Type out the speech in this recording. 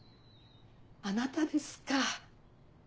あなたですか。